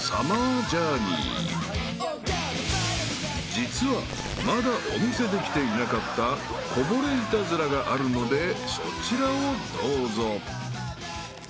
［実はまだお見せできていなかったこぼれイタズラがあるのでそちらをどうぞ］